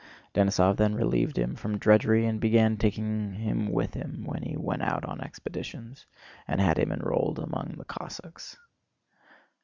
Denísov then relieved him from drudgery and began taking him with him when he went out on expeditions and had him enrolled among the Cossacks.